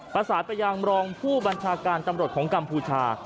ประสานไปยังรองผู้บัญชาการตำรวจของกัมพูชา